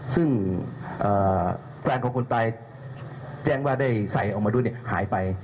ซึ่งแฟนของคนตายแจ้งว่าได้ใส่ออกมาด้วยหายไป